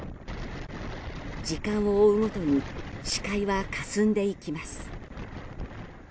時間を追うごとに視界はかすんでいきます。